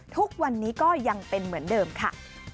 ทุกวันนี้ก็ยังเป็นเหมือนเดิมค่ะ